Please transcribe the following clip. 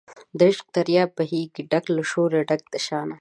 د عشق دریاب بهیږي ډک له شوره ډک د شان